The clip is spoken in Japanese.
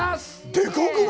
でかくない！？